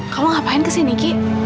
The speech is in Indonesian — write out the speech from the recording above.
kamu ngapain kesini ki